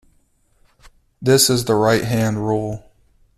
This is the right-hand rule.